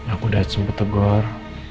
aku udah sempat tegor